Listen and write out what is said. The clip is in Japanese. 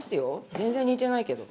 全然似てないけど。